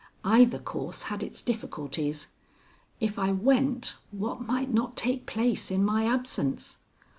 Either course had its difficulties. If I went, what might not take place in my absence!